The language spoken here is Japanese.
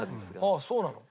ああそうなの？